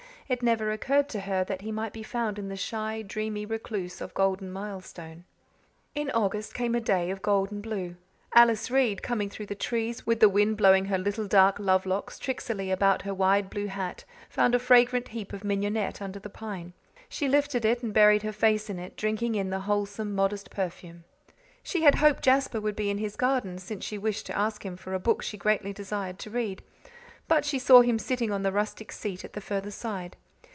It never occurred to her that he might be found in the shy, dreamy recluse of Golden Milestone. In August came a day of gold and blue. Alice Reade, coming through the trees, with the wind blowing her little dark love locks tricksily about under her wide blue hat, found a fragrant heap of mignonette under the pine. She lifted it and buried her face in it, drinking in the wholesome, modest perfume. She had hoped Jasper would be in his garden, since she wished to ask him for a book she greatly desired to read. But she saw him sitting on the rustic seat at the further side.